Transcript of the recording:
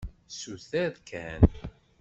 Suter kan.